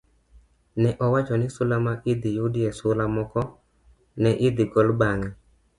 ne owach ni sula ma ne idhi yudie sula moko ne idhi gol bang'